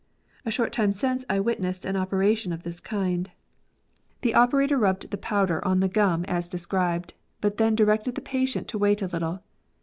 A short time since I witnessed an operation of this kind. The DENTISTRY. 35 operator rubbed the powder on the gum as described, but then directed the patient to wait a little.